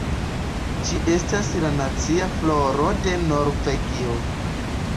Ĝi estas la nacia floro de Norvegio.